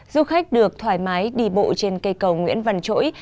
du khách được thoải mái đi bộ trên cây cầu nguyễn văn chỗi